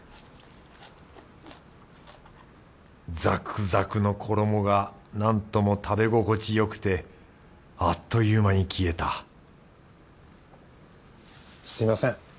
ザクザクの衣がなんとも食べ心地よくてあっという間に消えたすみません。